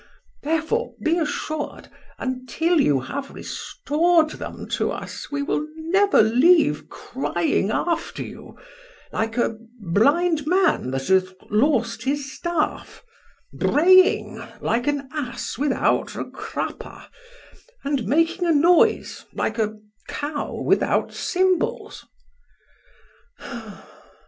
Therefore be assured, until you have restored them unto us, we will never leave crying after you, like a blind man that hath lost his staff, braying like an ass without a crupper, and making a noise like a cow without cymbals.